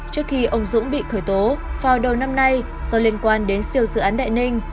trước khi ông dũng bị khởi tố vào đầu năm nay do liên quan đến siêu dự án đại ninh